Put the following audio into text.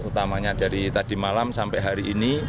utamanya dari tadi malam sampai hari ini